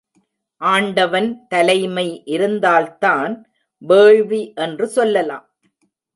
ஆண்டவன் தலைமை இருந்தால்தான் வேள்வி என்று சொல்லலாம்.